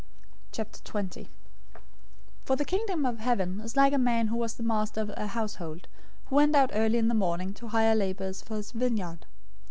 020:001 "For the Kingdom of Heaven is like a man who was the master of a household, who went out early in the morning to hire laborers for his vineyard.